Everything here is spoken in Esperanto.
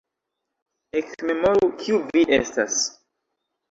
ekmemoru, kiu vi estas!